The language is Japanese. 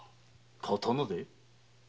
刀で？